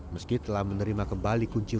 meski telah menerima kembali